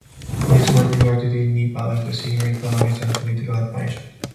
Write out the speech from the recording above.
He is well regarded in Nepal as a senior economist and political advisor.